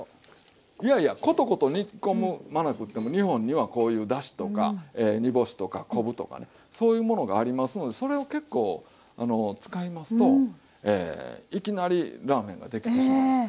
いやいやコトコト煮込まなくっても日本にはこういうだしとか煮干しとか昆布とかねそういうものがありますのでそれを結構使いますといきなりラーメンができてしまうんですね。